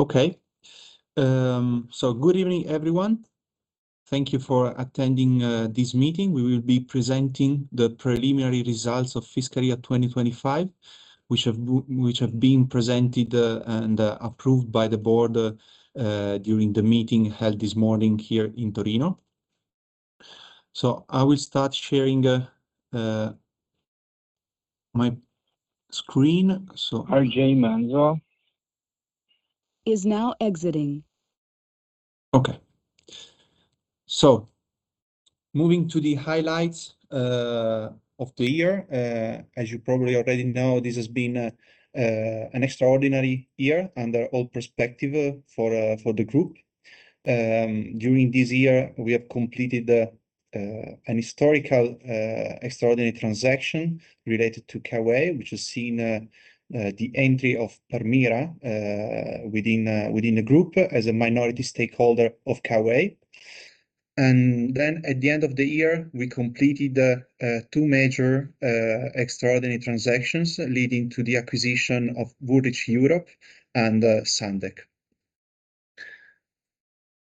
Okay. So good evening, everyone. Thank you for attending this meeting. We will be presenting the preliminary results of fiscal year 2025, which have been presented and approved by the board during the meeting held this morning here in Torino. So I will start sharing my screen. RJ Manzo is now exiting. Okay. So moving to the highlights of the year. As you probably already know, this has been an extraordinary year under all perspective for the group. During this year, we have completed an historical extraordinary transaction related to K-Way, which has seen the entry of Permira within the group as a minority stakeholder of K-Way. Then at the end of the year, we completed two major extraordinary transactions leading to the acquisition of Woolrich Europe and Sundek.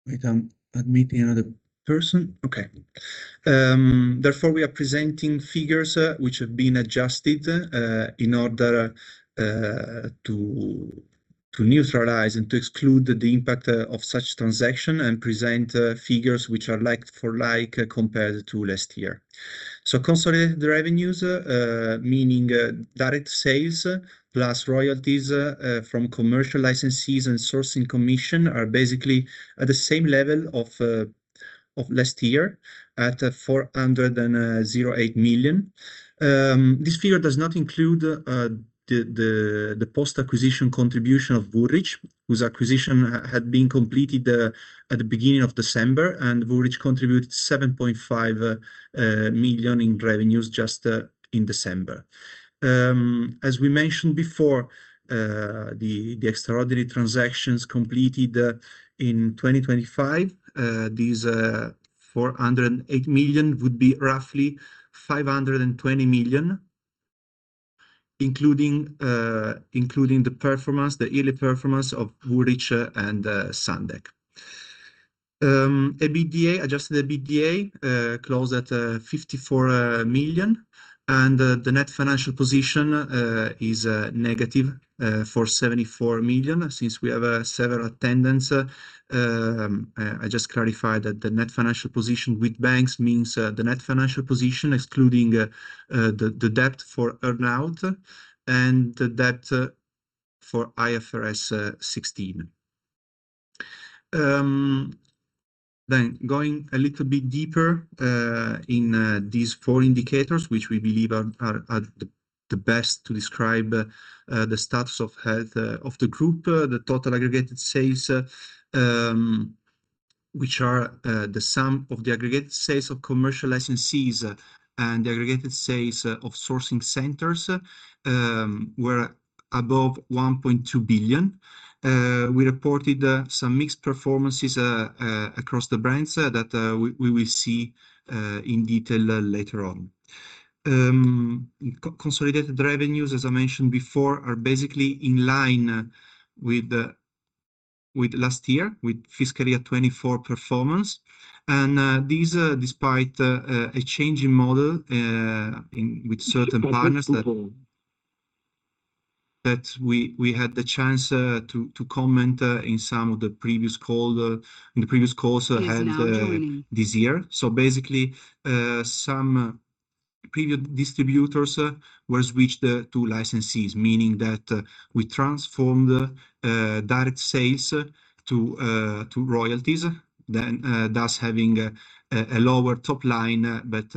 Wait, I'm admitting another person. Okay. Therefore, we are presenting figures which have been adjusted in order to neutralize and to exclude the impact of such transaction and present figures which are like for like compared to last year. Consolidated revenues, meaning direct sales, plus royalties from Commercial Licensees and Sourcing Commission, are basically at the same level of last year, at 408 million. This figure does not include the post-acquisition contribution of Woolrich, whose acquisition had been completed at the beginning of December, and Woolrich contributed 7.5 million in revenues just in December. As we mentioned before, the extraordinary transactions completed in 2025, these 408 million would be roughly 520 million, including the performance, the yearly performance of Woolrich and Sundek. EBITDA, adjusted EBITDA closed at 54 million, and the Net Financial Position is negative for 74 million. Since we have several attendees, I just clarify that the Net Financial Position with banks means the Net Financial Position, excluding the debt for earn-out and the debt for IFRS 16. Then going a little bit deeper in these four indicators, which we believe are the best to describe the status of health of the group. The total Aggregated Sales, which are the sum of the Aggregate Sales of Commercial Licensees and the Aggregated Sales of Sourcing Centers, were above 1.2 billion. We reported some mixed performances across the brands that we will see in detail later on. Co-consolidated revenues, as I mentioned before, are basically in line with last year, with fiscal year 2024 performance, and these despite a changing model in with certain partners that that we had the chance to comment in some of the previous call, in the previous calls held is now joining this year. So basically, some previous distributors were switched to licensees, meaning that we transformed direct sales to royalties, then thus having a lower top line, but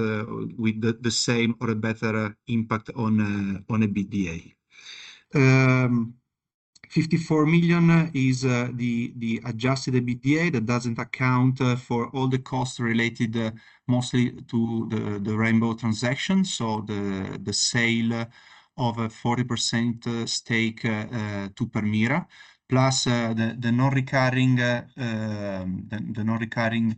with the same or a better impact on EBITDA. 54 million is the adjusted EBITDA. That doesn't account for all the costs related mostly to the K-Way transaction, so the sale of a 40% stake to Permira, plus the non-recurring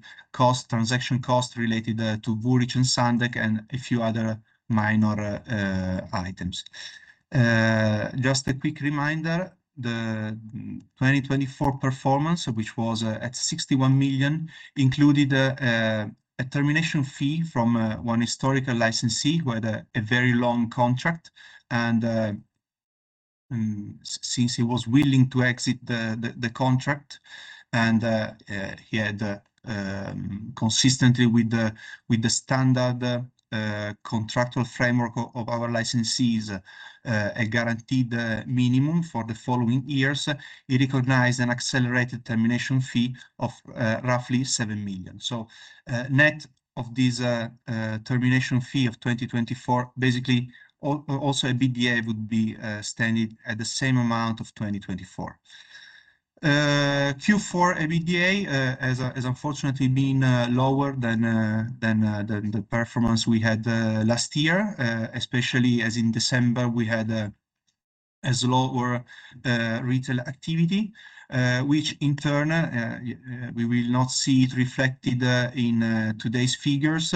transaction cost related to Woolrich and Sundek, and a few other minor items. Just a quick reminder, the 2024 performance, which was at 61 million, included a termination fee from one historical licensee who had a very long contract. Since he was willing to exit the contract and he had, consistently with the standard contractual framework of our licensees, a guaranteed minimum for the following years, he recognized an accelerated termination fee of roughly 7 million. So, net of this termination fee of 2024, basically also EBITDA would be standing at the same amount of 2024. Q4 EBITDA has unfortunately been lower than the performance we had last year, especially as in December, we had lower retail activity, which in turn we will not see it reflected in today's figures.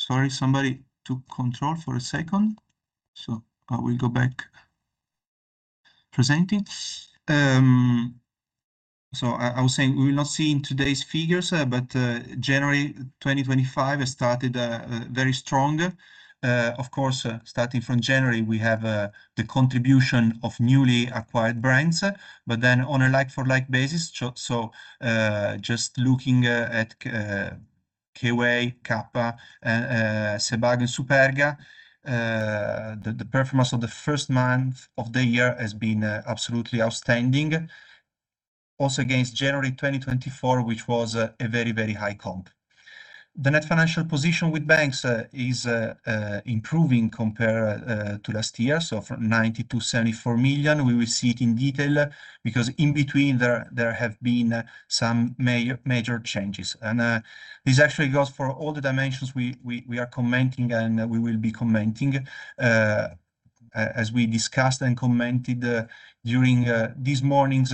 Sorry, somebody took control for a second, so I will go back presenting. So I was saying we will not see in today's figures, but January 2025 started very strong. Of course, starting from January, we have the contribution of newly acquired brands, but then on a like-for-like basis, so just looking at K-Way, Kappa, and Sebago, and Superga, the performance of the first month of the year has been absolutely outstanding. Also against January 2024, which was a very, very high comp. The Net Financial Position with banks is improving compared to last year, so from 90 million to 74 million, we will see it in detail, because in between, there have been some major changes. And this actually goes for all the dimensions we are commenting and we will be commenting. As we discussed and commented during this morning's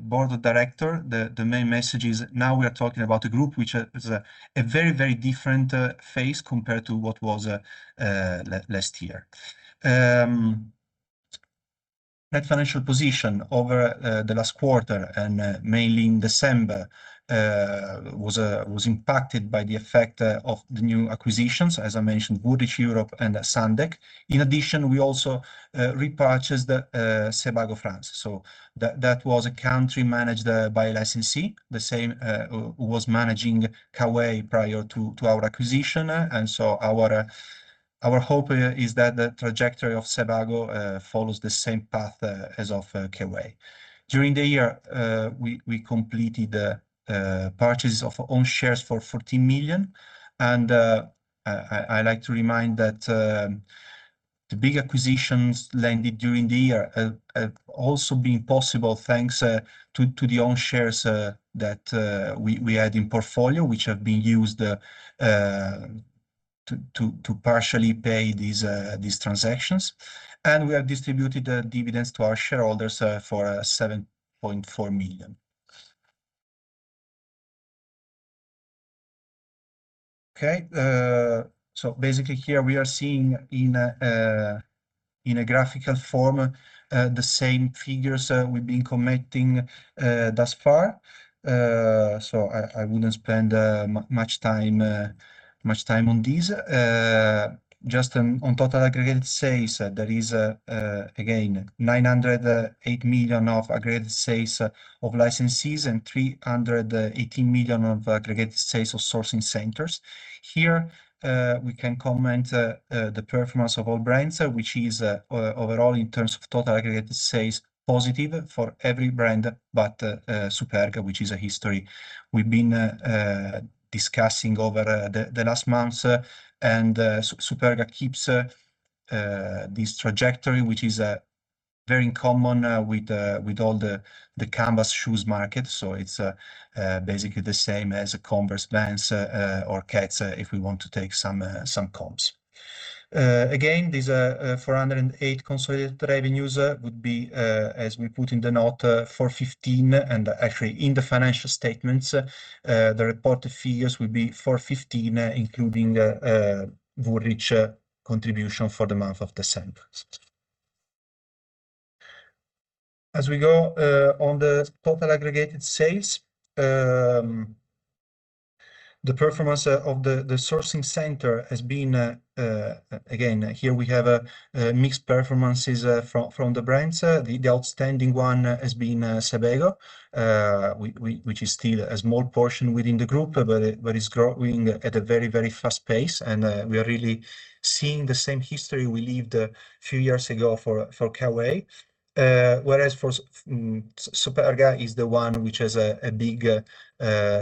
Board of Director, the main message is now we are talking about a group which is a very, very different phase compared to what was last year. Net financial Position over the last quarter and mainly in December was impacted by the effect of the new acquisitions, as I mentioned, Woolrich Europe and Sundek. In addition, we also repurchased Sebago France. So that was a country managed by a licensee, the same who was managing K-Way prior to our acquisition. And so our hope is that the trajectory of Sebago follows the same path as of K-Way. During the year, we completed purchase of own shares for 14 million, and I'd like to remind that the big acquisitions landed during the year also been possible, thanks to the own shares that we had in portfolio, which have been used to partially pay these transactions. And we have distributed dividends to our shareholders for 7.4 million. Okay, so basically here we are seeing in a graphical form the same figures we've been commenting thus far. So I wouldn't spend much time on this. Just on total Aggregate Sales, there is again 908 million of Aggregate Sales of Licensees and 318 million of Aggregate Sales of Sourcing Centers. Here we can comment on the performance of all brands, which is overall in terms of total Aggregate Sales, positive for every brand, but Superga, which is a history we've been discussing over the last months, and Superga keeps this trajectory, which is very in common with all the canvas shoes market. So it's basically the same as Converse, Vans, or Keds, if we want to take some comps. Again, these are 408 consolidated revenues, would be, as we put in the note, 415, and actually in the financial statements, the reported figures will be 415, including Woolrich contribution for the month of December. As we go on the total Aggregated Sales, the performance of the sourcing center has been, again, here we have mixed performances from the brands. The outstanding one has been Sebago, which is still a small portion within the group, but it's growing at a very, very fast pace, and we are really seeing the same history we lived a few years ago for K-Way. Whereas for Superga is the one which has a big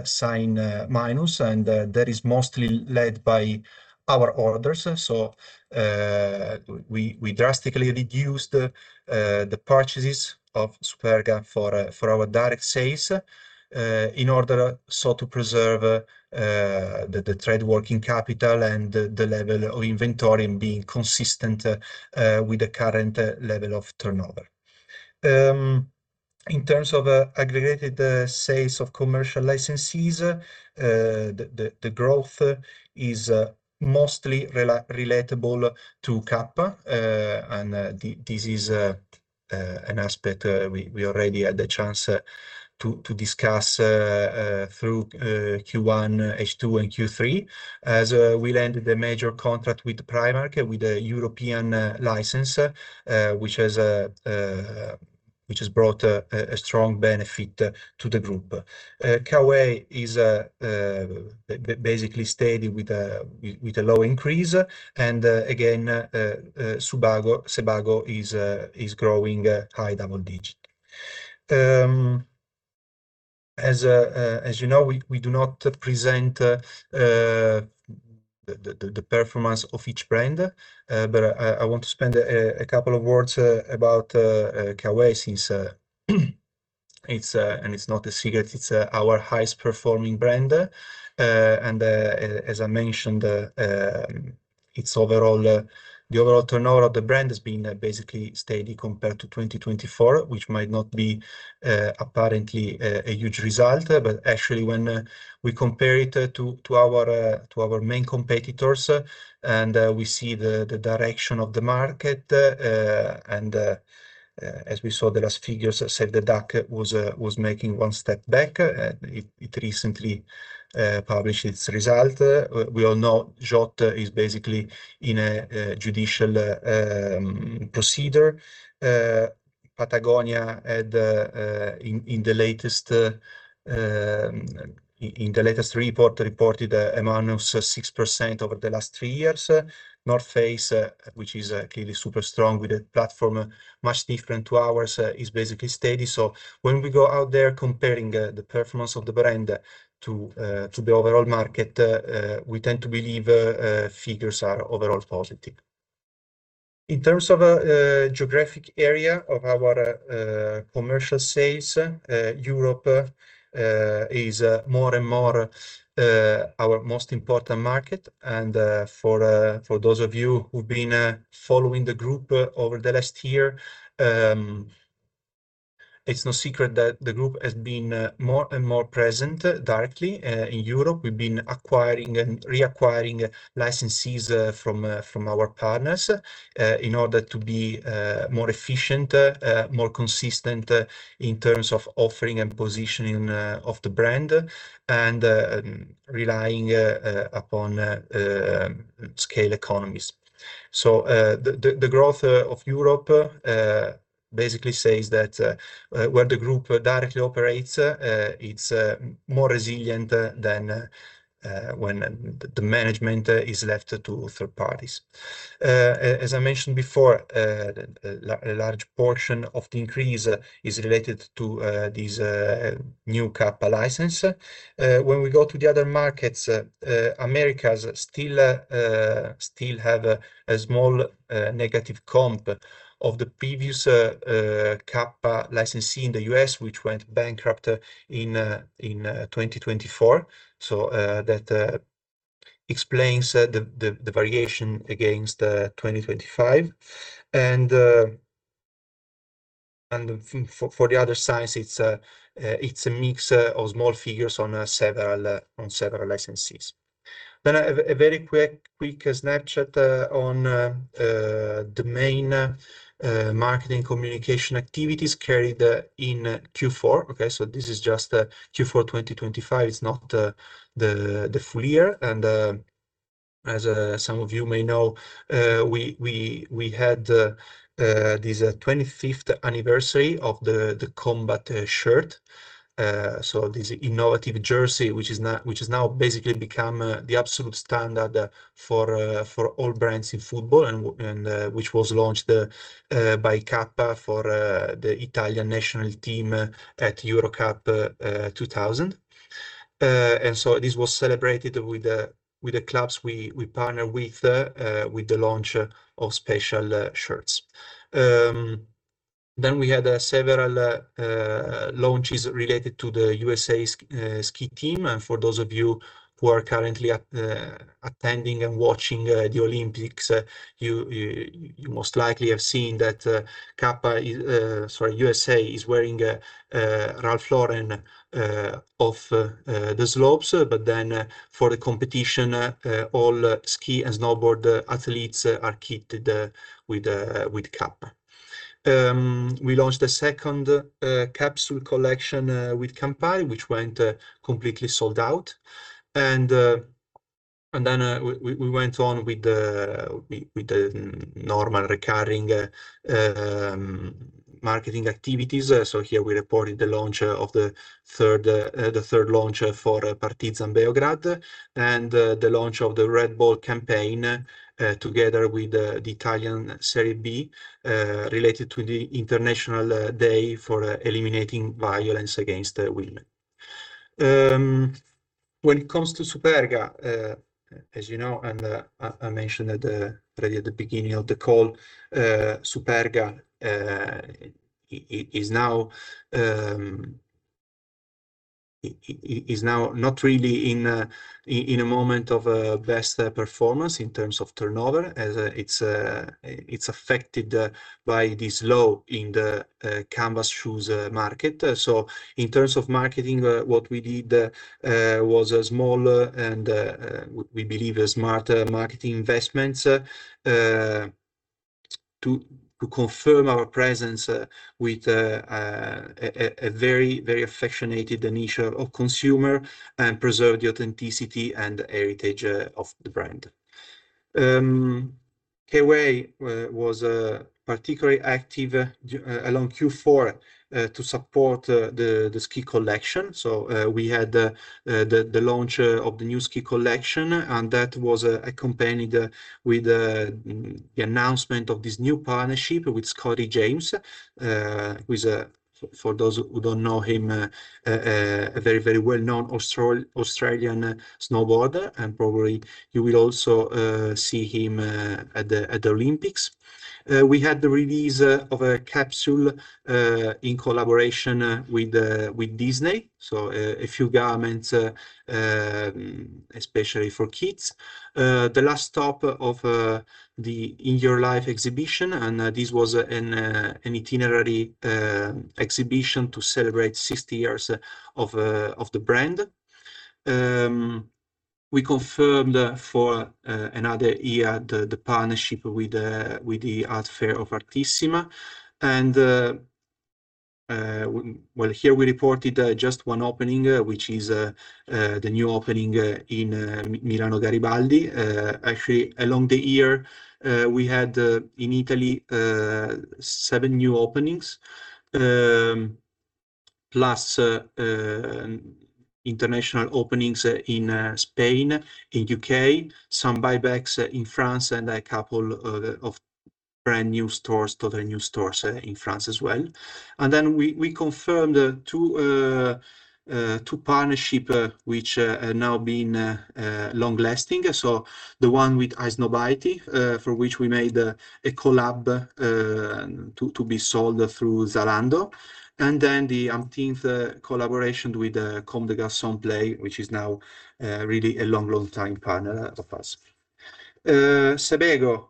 sign minus, and that is mostly led by our orders. So, we drastically reduced the purchases of Superga for our direct sales in order so to preserve the Trade Working Capital and the Level of Inventory and being consistent with the current level of turnover. In terms of Aggregated Sales of Commercial Licensees, the growth is mostly relatable to Kappa, and this is an aspect we already had the chance to discuss through Q1, H2, and Q3. As we landed a major contract with Primark, with a European license, which has brought a strong benefit to the group. K-Way is basically steady with a low increase, and again, Sebago is growing high double digit. As you know, we do not present the performance of each brand, but I want to spend a couple of words about K-Way since it's, and it's not a secret, it's our highest-performing brand, and as I mentioned, its overall turnover of the brand has been basically steady compared to 2024, which might not be apparently a huge result. But actually, when we compare it to our main competitors, and we see the direction of the market, and as we saw, the last figures in the Sundek was making one step back, and it recently published its result. We all know Jott is basically in a judicial procedure. Patagonia had in the latest report reported a -6% over the last three years. North Face, which is clearly super strong with a platform much different to ours, is basically steady. So when we go out there comparing the performance of the brand to the overall market, we tend to believe figures are overall positive. In terms of geographic area of our Commercial Sales, Europe is more and more our most important market. For those of you who've been following the group over the last year, it's no secret that the group has been more and more present directly in Europe. We've been acquiring and reacquiring licensees from our partners in order to be more efficient, more consistent in terms of offering and positioning of the brand and relying upon scale economies. The growth of Europe basically says that where the group directly operates, it's more resilient than when the management is left to third parties. As I mentioned before, a large portion of the increase is related to these new Kappa license. When we go to the other markets, Americas still have a small negative comp of the previous Kappa licensee in the U.S., which went bankrupt in 2024. So, that explains the variation against 2025. And for the other sides, it's a mix of small figures on several licensees. Then a very quick snapshot on the main marketing communication activities carried in Q4. Okay, so this is just Q4 2025. It's not the full year. As some of you may know, we had this 25th anniversary of the Kombat shirt. So this innovative jersey, which has now basically become the absolute standard for all brands in football and which was launched by Kappa for the Italian National team at Euro Cup 2000. And so this was celebrated with the clubs we partner with, with the launch of special shirts. Then we had several launches related to the USA ski team. And for those of you who are currently attending and watching the Olympics, you most likely have seen that Kappa... Sorry, USA is wearing Ralph Lauren off the slopes, but then for the competition all ski and snowboard athletes are kitted with Kappa. We launched a second capsule collection with Campari, which went completely sold out. And then we went on with the normal recurring marketing activities. So here we reported the launch of the third launch for Partizan Beograd, and the launch of the Red Bull campaign together with the Italian Serie B related to the International Day for eliminating violence against women. When it comes to Superga, as you know, and I mentioned earlier at the beginning of the call, Superga is now not really in a moment of best performance in terms of turnover, as it's affected by this low in the canvas shoes market. So in terms of marketing, what we did was a small and, we believe, a smart marketing investment to confirm our presence with a very, very affectionate niche of consumer and preserve the authenticity and the heritage of the brand. K-Way was particularly active along Q4 to support the ski collection. So, we had the launch of the new ski collection, and that was accompanied with the announcement of this new partnership with Scotty James, who is, for those who don't know him, a very, very well-known Australian snowboarder, and probably you will also see him at the Olympics. We had the release of a capsule in collaboration with Disney. So, a few garments, especially for kids. The last stop of the In Your Life exhibition, and this was an itinerary exhibition to celebrate 60 years of the brand. We confirmed for another year the partnership with the Art Fair of Artissima. Well, here we reported just one opening, which is the new opening in Milano Garibaldi. Actually, along the year, we had in Italy seven new openings, plus international openings in Spain, in U.K., some buybacks in France, and a couple of brand-new stores, totally new stores, in France as well. And then we confirmed two partnership, which have now been long-lasting. So the one with Highsnobiety, for which we made a collab, to be sold through Zalando, and then the umpteenth collaboration with Comme des Garçons Play, which is now really a long, long time partner of us. Sebago,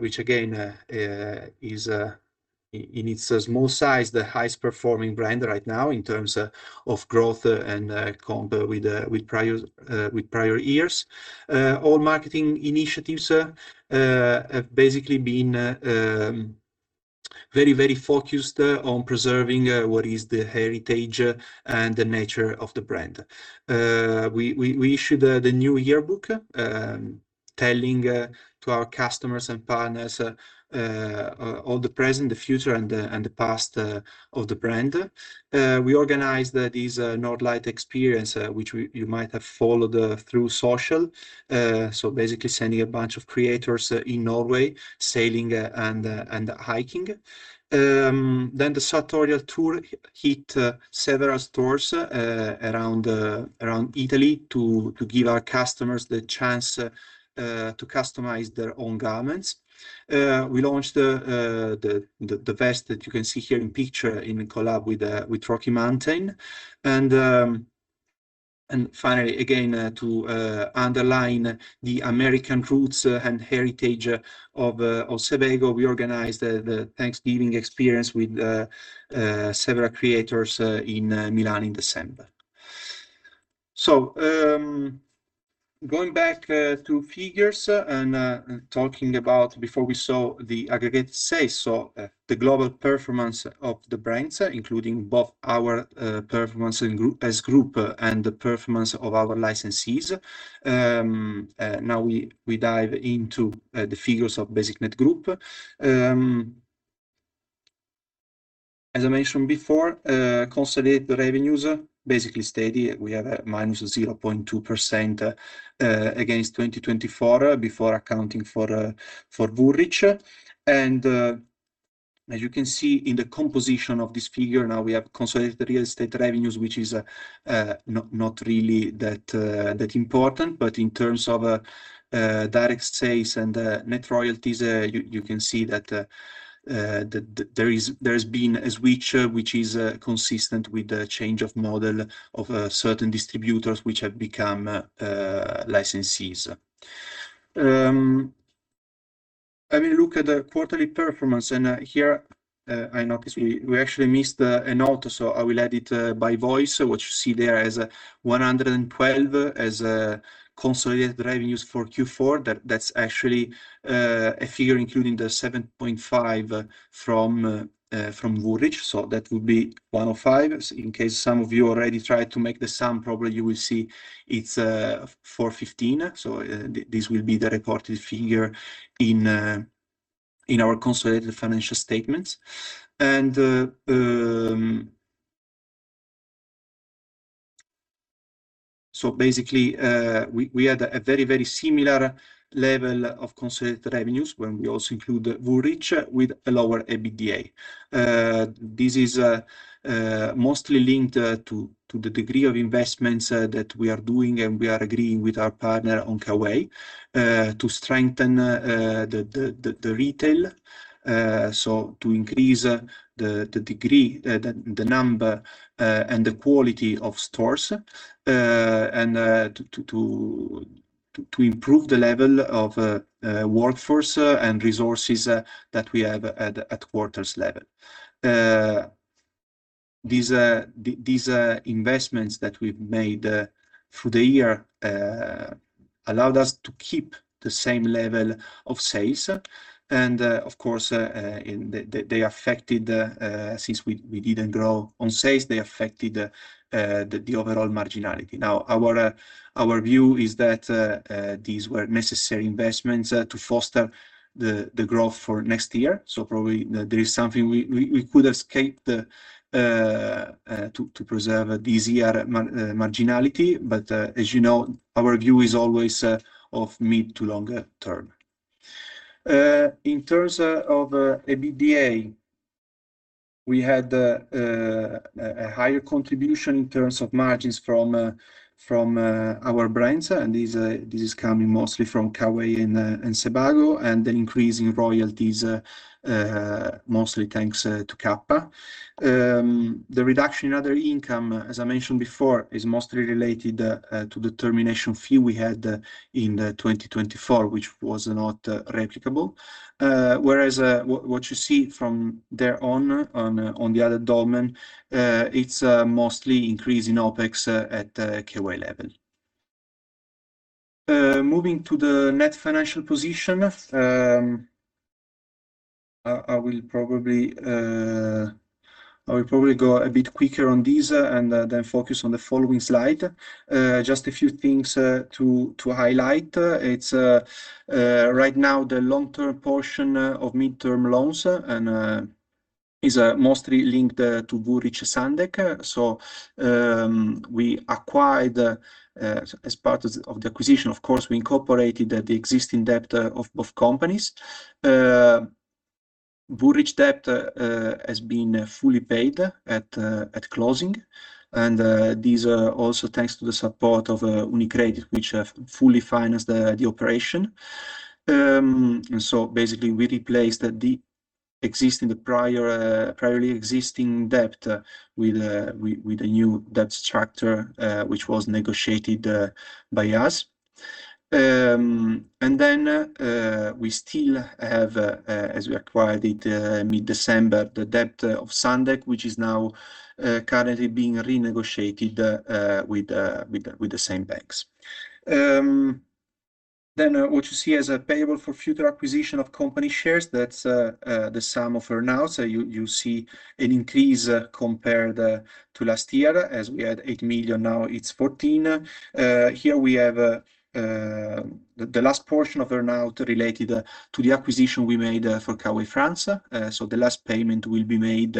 which again, is, in its small size, the highest performing brand right now in terms of growth and comp with prior years. All marketing initiatives have basically been very, very focused on preserving what is the heritage and the nature of the brand. We issued the new yearbook telling to our customers and partners all the present, the future, and the past of the brand. We organized these Northlight experience, which we-- you might have followed through social. So basically sending a bunch of creators in Norway, sailing and hiking. Then the Sartorial Tour hit several stores around Italy to give our customers the chance to customize their own garments. We launched the vest that you can see here in picture in collab with Rocky Mountain. And finally, again, to underline the American roots and heritage of Sebago, we organized the Thanksgiving experience with several creators in Milan in December. So, going back to figures and talking about before we saw the Aggregate Sales, so the global performance of the brands, including both our performance in group-- as group and the performance of our licensees. Now we dive into the figures of BasicNet Group. As I mentioned before, consolidated revenues, basically steady. We have a -0.2% against 2024, before accounting for Woolrich. And as you can see in the composition of this figure, now we have Consolidated Real Estate Revenues, which is not really that important. But in terms of Direct Sales and Net Royalties, you can see that there has been a switch, which is consistent with the change of model of certain distributors which have become licensees. Having a look at the quarterly performance, and here I notice we actually missed a note, so I will add it by voice. What you see there is 112 million consolidated revenues for Q4, that's actually a figure including the 7.5 million from Woolrich, so that will be 105 million. In case some of you already tried to make the sum, probably you will see it's 415 million. So, this will be the reported figure in our Consolidated Financial Statements. So basically, we had a very, very similar level of consolidated revenues when we also include Woolrich with a lower EBITDA. This is mostly linked to the degree of investments that we are doing, and we are agreeing with our partner on K-Way to strengthen the retail, so to increase the number and the quality of stores, and to improve the level of workforce and resources that we have at quarters level. These investments that we've made through the year allowed us to keep the same level of sales. And of course, since we didn't grow on sales, they affected the overall marginality. Now, our view is that these were necessary investments to foster the growth for next year. So probably there is something we could escape to preserve this year's marginality, but as you know, our view is always of mid to longer term. In terms of EBITDA, we had a higher contribution in terms of margins from our brands, and this is coming mostly from K-Way and Sebago, and an increase in royalties mostly thanks to Kappa. The reduction in other income, as I mentioned before, is mostly related to the Termination Fee we had in 2024, which was not replicable. Whereas what you see from there on, on the other column, it's mostly increase in OpEx at K-Way level. Moving to the Net Financial Position, I will probably go a bit quicker on this, and then focus on the following slide. Just a few things to highlight. It's right now, the long-term portion of midterm loans, and is mostly linked to Woolrich and Sundek. So, we acquired, as part of the acquisition, of course, we incorporated the existing debt of both companies. Woolrich debt has been fully paid at closing, and these are also thanks to the support of UniCredit, which have fully financed the operation. So basically, we replaced the existing, the prior, priorly existing debt, with a new debt structure, which was negotiated by us. And then, we still have, as we acquired it, mid-December, the debt of Sundek, which is now, currently being renegotiated, with the same banks. Then what you see as a payable for future acquisition of company shares, that's the sum of earn-out. So you see an increase compared to last year, as we had 8 million, now it's 14 million. Here we have the last portion of Earn-Out related to the acquisition we made for K-Way France. So the last payment will be made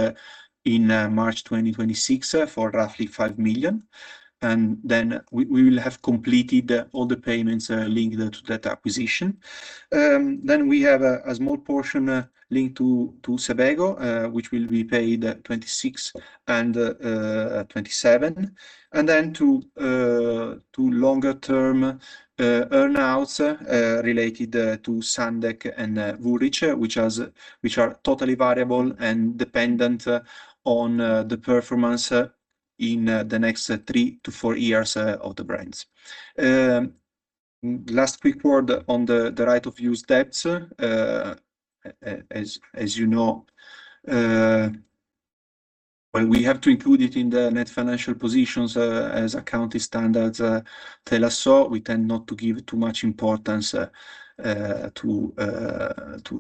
in March 2026 for roughly 5 million, and then we will have completed all the payments linked to that acquisition. Then we have a small portion linked to Sebago, which will be paid at 2026 and 2027, and then to longer-term Earn-Outs related to Sundek and Woolrich, which are totally variable and dependent on the performance in the next 3-4 years of the brands. Last quick word on the Right-of-Use debts. As you know, when we have to include it in the Net Financial Position, as accounting standards tell us so, we tend not to give too much importance to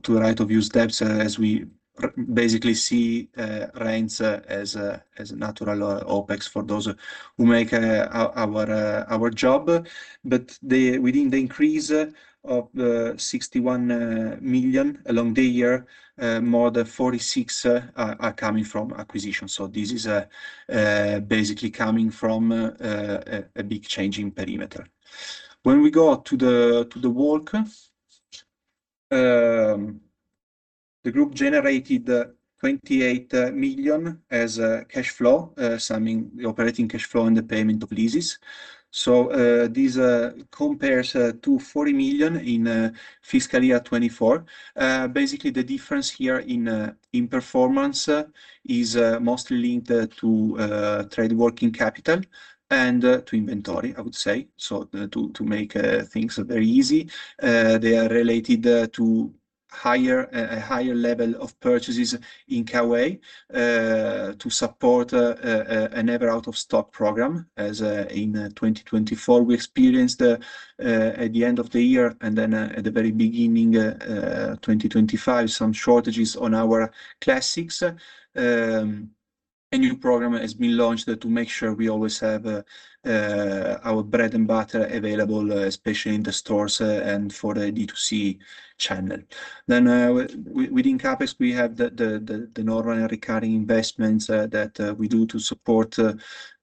Right-of-Use debt, as we basically see rents as a natural OpEx for those who make our job. But within the increase of 61 million along the year, more than 46 million are coming from acquisitions. So this is basically coming from a big change in perimeter. When we go to the work, the group generated 28 million as a cash flow, summing the Operating Cash Flow and the Payment of Leases. So this compares to 40 million in fiscal year 2024. Basically, the difference here in performance is mostly linked to Trade Working Capital and to Inventory, I would say. So to make things very easy, they are related to higher, a higher level of purchases in K-Way to support an ever out of stock program. As in 2024, we experienced at the end of the year, and then at the very beginning 2025, some shortages on our classics. A new program has been launched to make sure we always have our bread and butter available, especially in the stores, and for the D2C channel. Then, within CapEx, we have the normal recurring investments that we do to support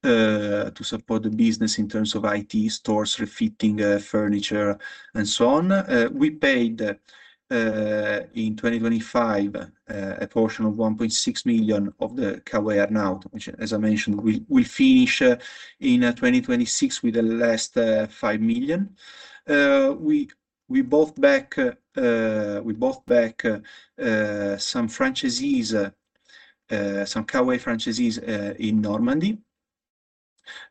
the business in terms of IT, stores, refitting, furniture, and so on. We paid in 2025 a portion of 1.6 million of the K-Way Earn-Out, which, as I mentioned, we finish in 2026 with the last 5 million. We bought back some franchisees, some K-Way franchisees in Normandy,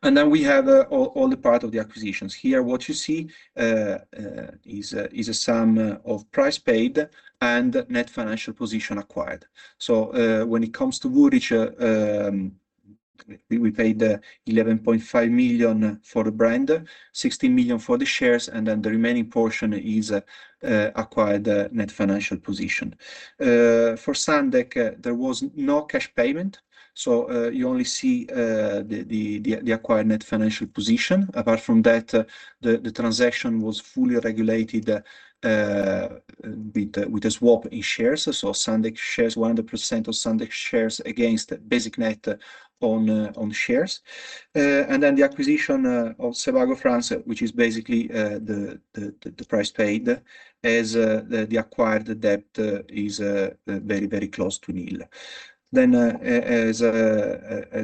and then we have all the part of the acquisitions. Here, what you see is a sum of Price Paid and Net Financial Position acquired. So, when it comes to Woolrich, we paid 11.5 million for the brand, 16 million for the shares, and then the remaining portion is acquired Net Financial Position. For Sundek, there was no cash payment, so you only see the acquired Net Financial Position. Apart from that, the transaction was fully regulated with a swap in shares. So Sundek shares, 100% of Sundek shares against BasicNet own shares. And then the acquisition of Sebago France, which is basically the price paid, as the acquired debt, is very, very close to nil. Then, as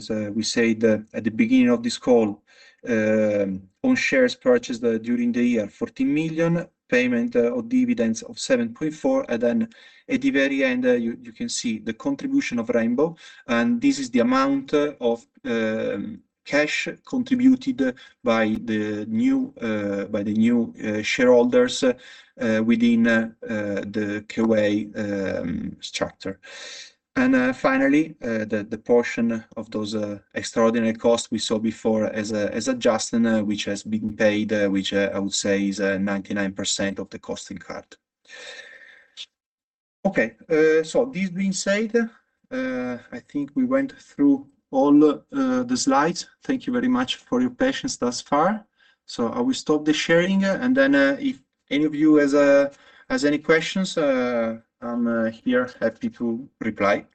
we said at the beginning of this call, on shares purchased during the year, 14 million, Payment of Dividends of 7.4 million, and then at the very end, you can see the contribution of Rainbow, and this is the amount of cash contributed by the new shareholders within the K-Way structure... Finally, the portion of those extraordinary costs we saw before as a adjustment, which has been paid, which I would say is 99% of the costing cut. Okay, so this being said, I think we went through all the slides. Thank you very much for your patience thus far. I will stop the sharing, and then, if any of you has any questions, I'm here, happy to reply.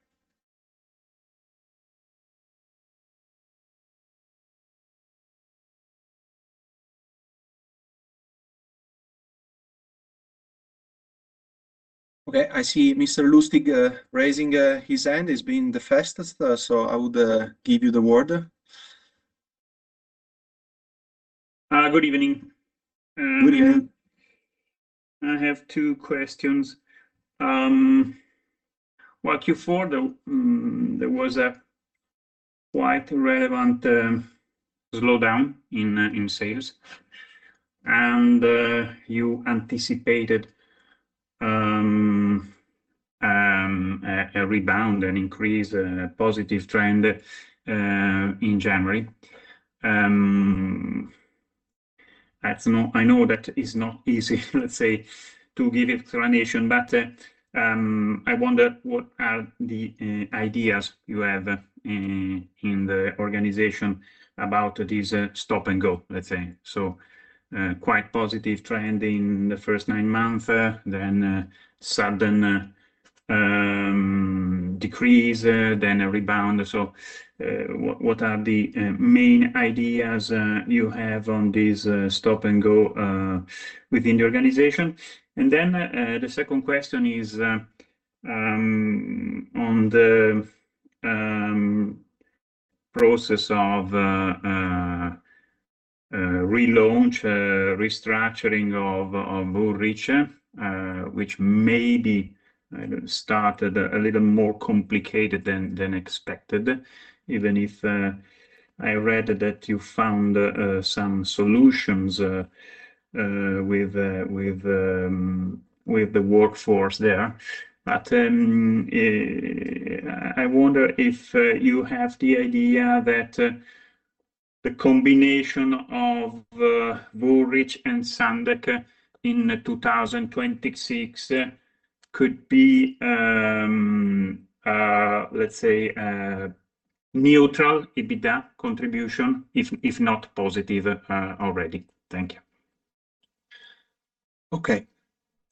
Okay, I see Mr. Lustig raising his hand. He's been the fastest, so I would give you the word. Good evening. Good evening. I have two questions. Well, Q4, there was a quite relevant slowdown in sales, and you anticipated a rebound, an increase, positive trend in January. That's not... I know that is not easy, let's say, to give explanation, but I wonder what are the ideas you have in the organization about this Stop-and-Go, let's say? So, quite positive trend in the first nine months, then a sudden decrease, then a rebound. So, what are the main ideas you have on this Stop-and-Go within the organization? And then, the second question is on the process of a relaunch, restructuring of Woolrich, which maybe started a little more complicated than expected. Even if I read that you found some solutions with the workforce there. But I wonder if you have the idea that the combination of Woolrich and Sundek in 2026 could be, let's say, neutral EBITDA contribution, if not positive, already. Thank you. Okay.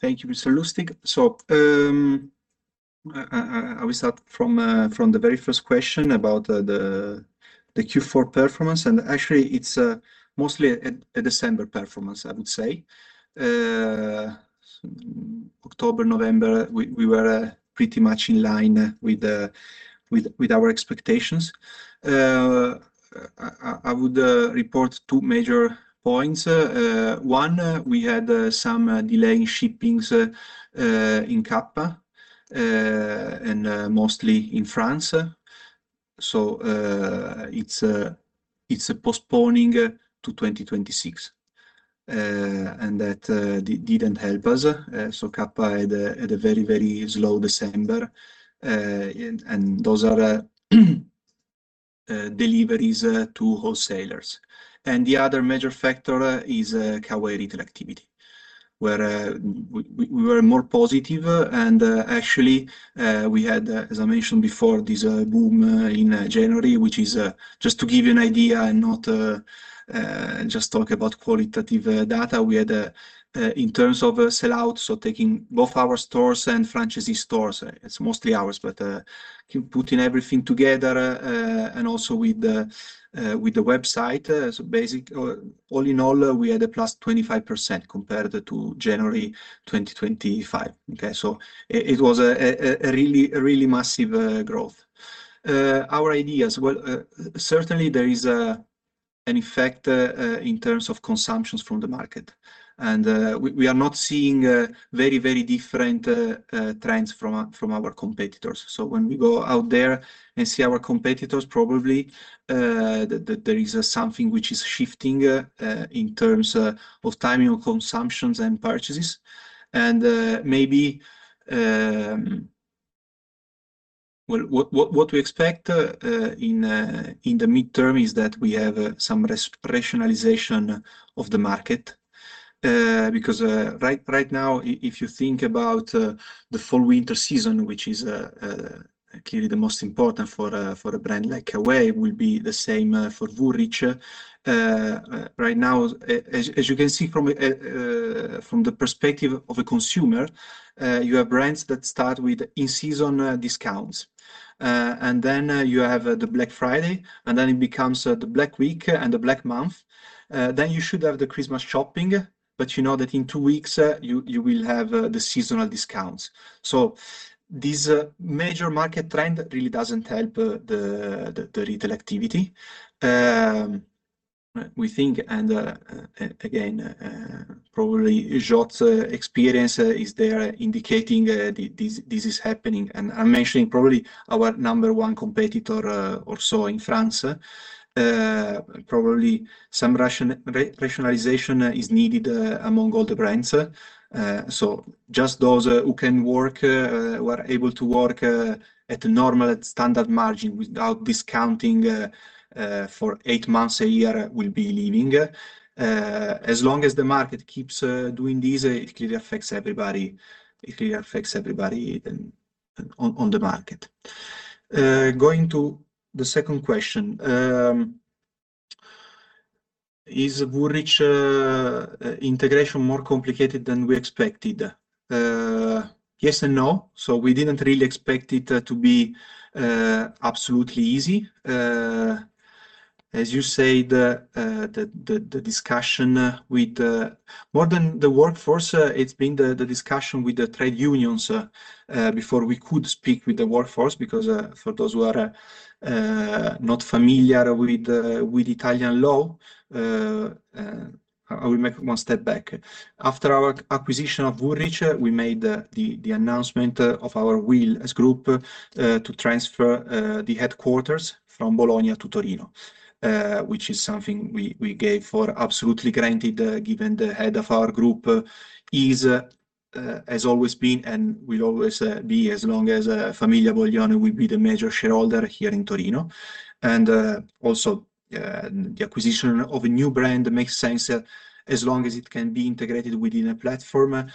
Thank you, Mr. Lustig. So, I will start from the very first question about the Q4 performance, and actually it's mostly a December performance, I would say. October, November, we were pretty much in line with our expectations. I would report two major points. One, we had some delay in shippings in Kappa, and mostly in France. So, it's a postponing to 2026, and that didn't help us. So Kappa had a very, very slow December, and those are deliveries to wholesalers. The other major factor is K-Way Retail Activity, where we were more positive, and actually we had, as I mentioned before, this boom in January, which is... Just to give you an idea and not just talk about qualitative data, we had in terms of sell-out, so taking both our stores and franchisee stores, it's mostly ours, but putting everything together and also with the website. So, basically, all in all, we had a +25% compared to January 2025. Okay, so it was a really massive growth. However, well, certainly there is an effect in terms of consumptions from the market. We are not seeing very different trends from our competitors. So when we go out there and see our competitors, probably that there is something which is shifting in terms of timing of consumptions and purchases. And maybe, well, what we expect in the midterm is that we have some rationalization of the market. Because right now, if you think about the fall/winter season, which is clearly the most important for a brand like K-Way, will be the same for Woolrich. Right now, as you can see from the perspective of a consumer, you have brands that start with in-season discounts. And then you have the Black Friday, and then it becomes the Black Week and the Black Month. Then you should have the Christmas shopping, but you know that in two weeks, you will have the Seasonal Discounts. So this major market trend really doesn't help the retail activity. We think, and again, probably Jott's experience is there indicating this is happening. And I'm mentioning probably our number one competitor also in France. Probably some rationalization is needed among all the brands. So just those who can work, who are able to work at a normal standard margin without discounting for eight months a year will be leaving. As long as the market keeps doing this, it clearly affects everybody. It clearly affects everybody, and on the market. Going to the second question, is Woolrich integration more complicated than we expected? Yes and no. So we didn't really expect it to be absolutely easy. As you say, the discussion with more than the workforce, it's been the discussion with the Trade Unions before we could speak with the workforce, because for those who are not familiar with Italian law, I will make one step back. After our acquisition of Woolrich, we made the announcement of our will as group to transfer the headquarters from Bologna to Torino, which is something we gave for absolutely granted, given the head of our group is, has always been, and will always be, as long as Famiglia Boglione will be the major shareholder here in Torino. Also, the acquisition of a new brand makes sense, as long as it can be integrated within a platform,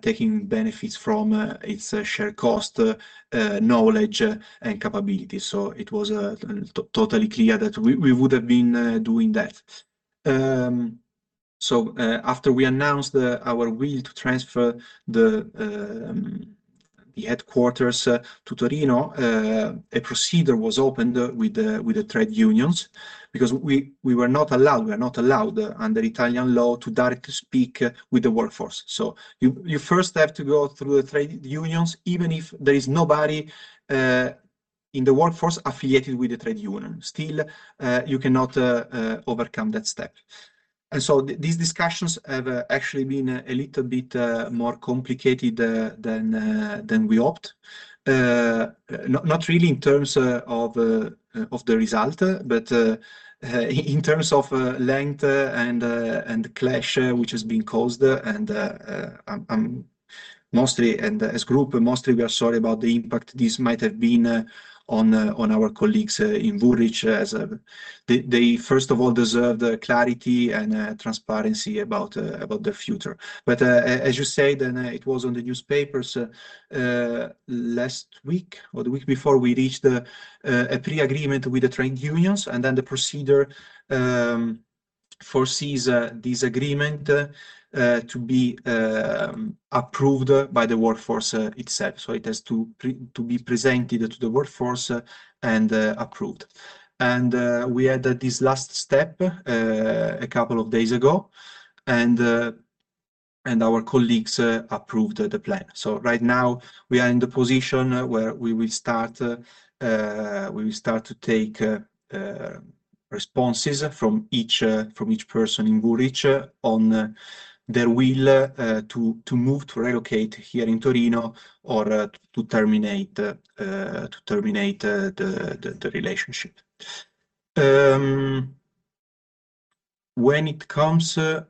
taking benefits from its share cost, knowledge, and capabilities. So it was totally clear that we would have been doing that. So, after we announced our will to transfer the headquarters to Torino, a procedure was opened with the Trade Unions because we were not allowed, we are not allowed under Italian law to directly speak with the workforce. So you first have to go through the Trade Unions, even if there is nobody in the workforce affiliated with the Trade Union, still you cannot overcome that step. And so these discussions have actually been a little bit more complicated than we hoped. Not really in terms of the result, but in terms of length and clash, which has been caused. Mostly, as group, mostly we are sorry about the impact this might have been on our colleagues in Woolrich, as they first of all deserved clarity and transparency about the future. But, as you said, and it was on the newspapers last week or the week before, we reached a pre-agreement with the Trade Unions, and then the procedure foresees this agreement to be approved by the workforce itself. So it has to be presented to the workforce and approved. We had this last step a couple of days ago, and our colleagues approved the plan. So right now we are in the position where we will start to take responses from each person in Woolrich on their will to move, to relocate here in Torino or to terminate the relationship. When it comes to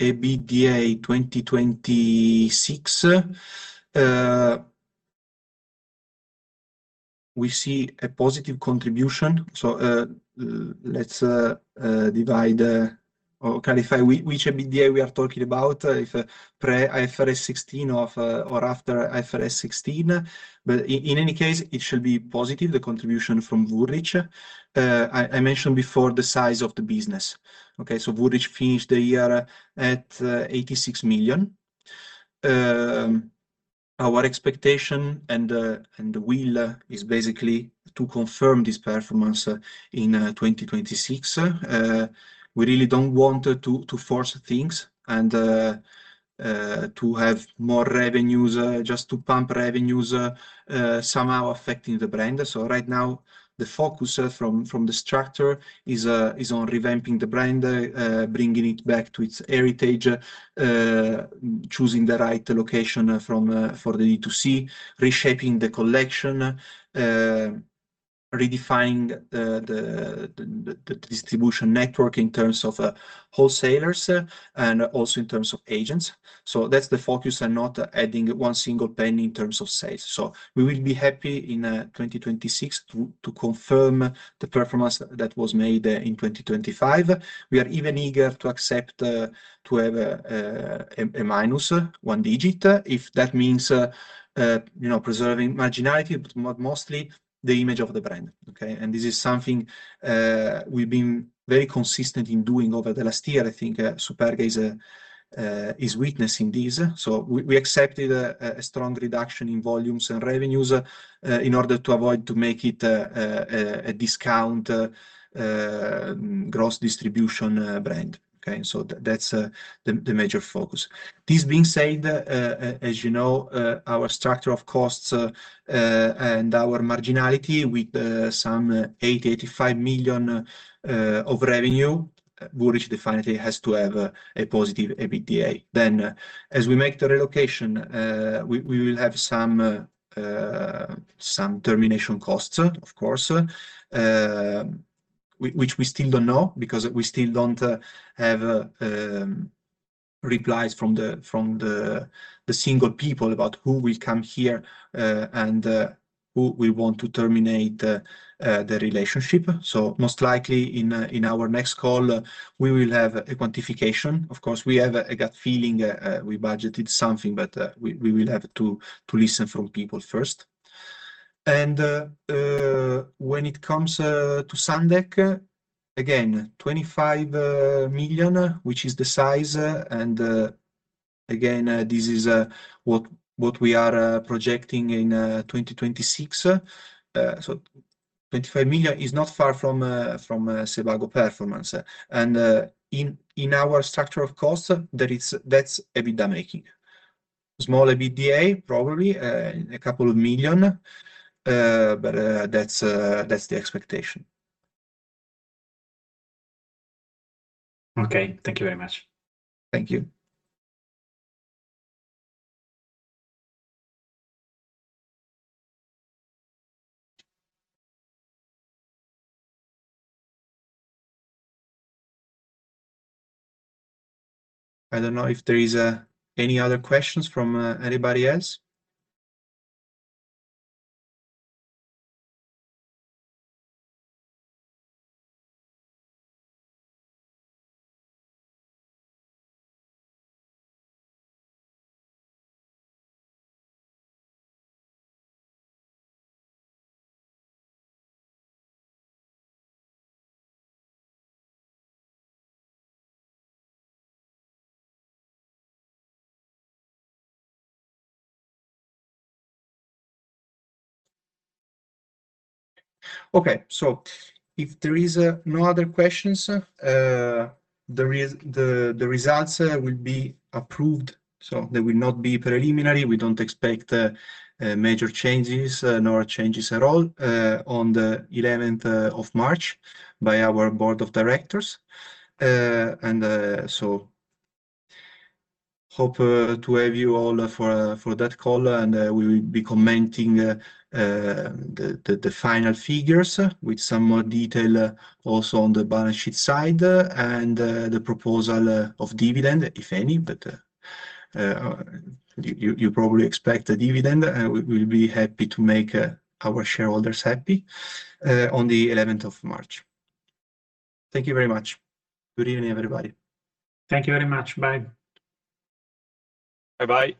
EBITDA 2026, we see a positive contribution. So, let's divide or clarify which EBITDA we are talking about, if pre IFRS 16 or after IFRS 16. But in any case, it should be positive, the contribution from Woolrich. I mentioned before the size of the business. Okay, so Woolrich finished the year at 86 million. Our expectation and the will is basically to confirm this performance in 2026. We really don't want to force things and to have more revenues just to pump revenues somehow affecting the brand. So right now, the focus from the structure is on revamping the brand, bringing it back to its heritage, choosing the right location for the D2C, reshaping the collection, redefining the distribution network in terms of wholesalers and also in terms of agents. So that's the focus and not adding one single penny in terms of sales. So we will be happy in 2026 to confirm the performance that was made in 2025. We are even eager to accept to have a minus one digit, if that means you know, preserving marginality, but mostly the image of the brand. Okay? And this is something we've been very consistent in doing over the last year. I think Superga is witnessing this. So we accepted a strong reduction in volumes and revenues in order to avoid to make it a Discount Gross Distribution Brand. Okay, so that's the major focus. This being said, as you know, our Structure of Costs and our marginality with some 85 million of revenue, Woolrich definitely has to have a positive EBITDA. Then, as we make the relocation, we will have some Termination Costs, of course, which we still don't know because we still don't have replies from the single people about who will come here, and... who we want to terminate the relationship. So most likely in our next call, we will have a quantification. Of course, we have a gut feeling, we budgeted something, but we will have to listen from people first. And when it comes to Sundek, again, 25 million, which is the size, and again, this is what we are projecting in 2026. So 25 million is not far from Sebago performance. And in our Structure of Costs, there is, that's EBITDA making. Small EBITDA, probably a couple of million, but that's the expectation. Okay. Thank you very much. Thank you. I don't know if there is any other questions from anybody else? Okay. So if there is no other questions, the results will be approved, so they will not be preliminary. We don't expect major changes, nor changes at all, on the eleventh of March by our Board of Directors. And so hope to have you all for that call, and we will be commenting the final figures with some more detail, also on the balance sheet side, and the proposal of dividend, if any. But you probably expect a dividend, and we'll be happy to make our shareholders happy, on the eleventh of March. Thank you very much. Good evening, everybody. Thank you very much. Bye. Bye-bye.